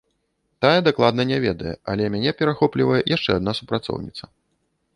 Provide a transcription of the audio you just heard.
Тая дакладна не ведае, але мяне перахоплівае яшчэ адна супрацоўніца.